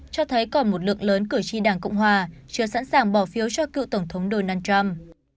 cho thấy còn một lượng lớn cử tri đảng cộng hòa chưa sẵn sàng bỏ phiếu cho cựu tổng thống donald trump